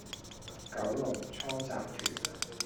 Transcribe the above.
九龍倉集團